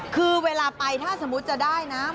คือเวลาไปถ้าสมมุติจะได้นะ